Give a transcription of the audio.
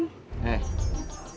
bang adam ngajakin salam